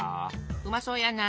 うまそうやな。